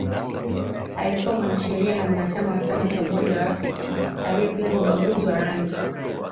Alikuwa mwanasheria na mwanachama wa Chama cha umoja wa Afrika aliyepinga ubaguzi wa rangi